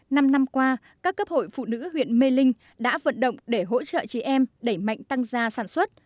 năm năm qua các cấp hội phụ nữ huyện mê linh đã vận động để hỗ trợ chị em đẩy mạnh tăng gia sản xuất